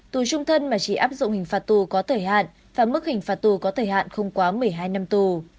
tù trung thân mà chỉ áp dụng hình phạt tù có thời hạn và mức hình phạt tù có thời hạn không quá một mươi hai năm tù